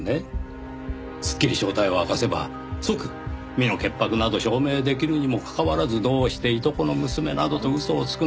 すっきり正体を明かせば即身の潔白など証明できるにもかかわらずどうしていとこの娘などと嘘をつくのか。